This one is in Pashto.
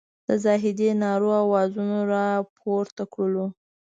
د زاهدي نارو او اوازونو راپورته کړلو.